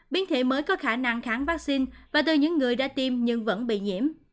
biến thể mới có khả năng kháng vaccine và từ những người đã tiêm nhưng vẫn bị nhiễm